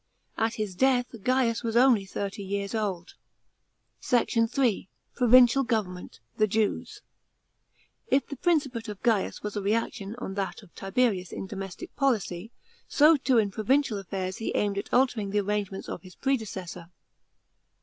At his death Gaius was only thirty years old. SECT. III. — PROVINCIAL GOVERNMENT. THE JEWS. § 14. If the ] rincipate of Gaius was a reaction on that of Tiberias in domes' ic policy, so too in provincial affairs he aimed at altering the arrangements of h s predecessor.